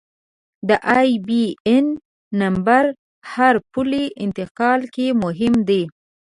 د آیبياېن نمبر هر پولي انتقال کې مهم دی.